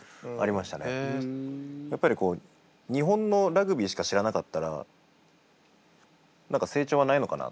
やっぱりこう日本のラグビーしか知らなかったら何か成長がないのかなって。